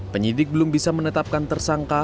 penyidik belum bisa menetapkan tersangka